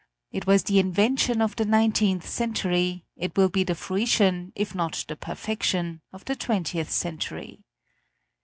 It was the invention of the nineteenth century; it will be the fruition, if not the perfection, of the twentieth century.